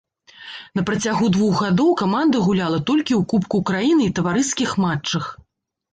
На працягу двух гадоў каманда гуляла толькі ў кубку краіны і таварыскіх матчах.